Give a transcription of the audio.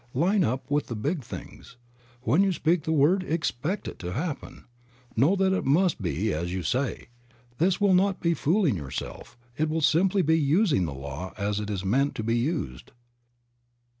Line up with the big things. When you speak the word expect it to happen. Know that it must be as you say. This will not be fooling yourself, it will simply be using the law as it is meant to be used.